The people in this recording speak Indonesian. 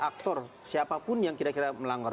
aktor siapapun yang kira kira melanggar